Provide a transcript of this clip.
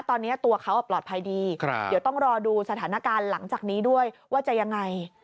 ตอนนี้ตัวเขาปลอดภัยดีเดี๋ยวต้องรอดูสถานการณ์หลังจากนี้ด้วยว่าจะยังไง